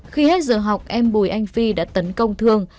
khi hết giờ học em bùi anh phi đã tấn công thương